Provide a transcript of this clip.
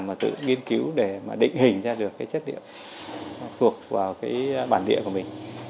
làm và tự nghiên cứu để mà định hình ra được cái chất liệu thuộc vào cái bản địa của mình